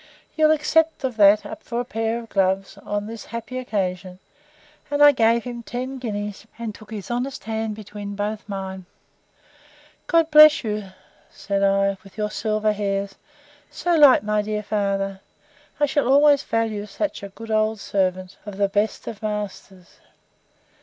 You'll accept of that, for a pair of gloves, on this happy occasion; and I gave him ten guineas, and took his honest hand between both mine: God bless you, said I, with your silver hairs, so like my dear father!—I shall always value such a good old servant of the best of masters!